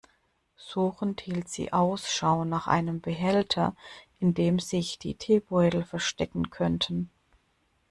Suchend hielt sie Ausschau nach einem Behälter, in dem sich die Teebeutel verstecken könnten.